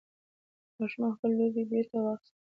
ماشوم خپل لوبعې بېرته واخیستلې.